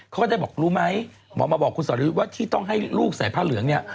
ก็ได้บอกรู้ไหมหมอมาบอกคุณสอรยุทธ์ว่าที่ต้องให้ลูกใส่ผ้าเหลืองเนี่ย